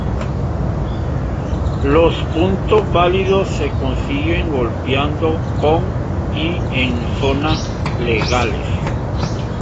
Los puntos válidos se consiguen golpeando con y en zonas legales.